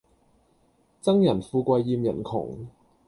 憎人富貴厭人窮